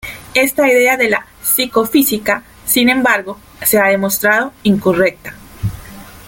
Esta idea de la psicofísica, sin embargo, se ha demostrado incorrecta.